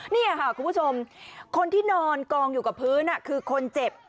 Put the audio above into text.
นี่ค่ะคุณผู้ชมคนที่นอนกองอยู่กับพื้นคือคนเจ็บ